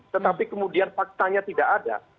tetapi kemudian faktanya tidak ada